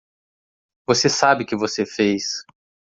Você sabe que você fez.